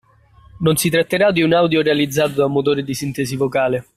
Non si tratterà di un audio realizzato da un motore di sintesi vocale